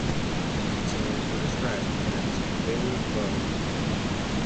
Ticket sales were described as "very low".